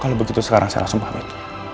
kalau begitu sekarang saya langsung pamit